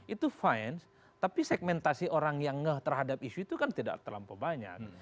itu fine tapi segmentasi orang yang ngeh terhadap isu itu kan tidak terlampau banyak